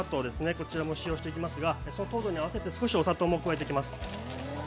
こちらも使用していきますが、糖度に合わせて少しお砂糖も加えていきます。